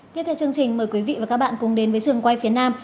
tiếp theo chương trình mời quý vị và các bạn cùng đến với trường quay phía nam